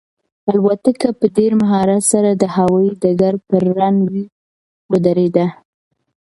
الوتکه په ډېر مهارت سره د هوایي ډګر پر رن وې ودرېده.